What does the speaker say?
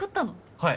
はい。